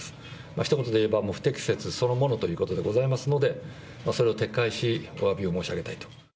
ひと言でいえば不適切そのものということでございますので、それを撤回し、おわびを申し上げたいと。